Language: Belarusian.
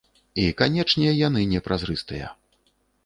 І, канечне, яны не празрыстыя.